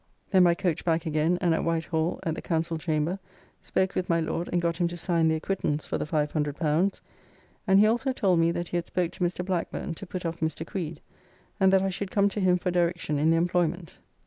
Then by coach back again, and at White Hall at the Council Chamber spoke with my Lord and got him to sign the acquittance for the L500, and he also told me that he had spoke to Mr. Blackburne to put off Mr. Creed and that I should come to him for direction in the employment.